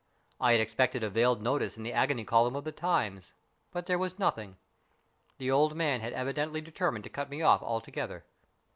I had expected a veiled notice in the agony column of the Times, but there was nothing. The old man had evidently determined to cut me off altogether.